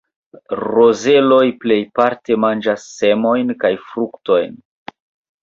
Rozeloj plejparte manĝas semojn kaj fruktojn.